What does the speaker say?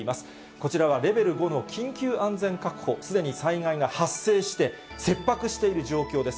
こちらはレベル５の緊急安全確保、すでに災害が発生して、切迫している状況です。